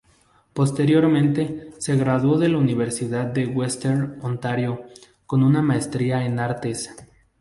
Posteriormente, se graduó de la Universidad de Western Ontario con una Maestría en Artes.